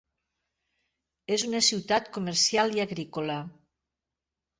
És una ciutat comercial i agrícola.